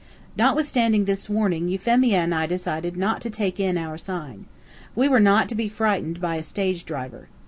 Notwithstanding this warning, Euphemia and I decided not to take in our sign. We were not to be frightened by a stage driver.